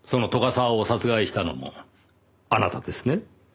沢を殺害したのもあなたですね？